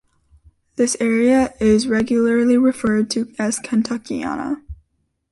This area "is regularly referred to as Kentuckiana".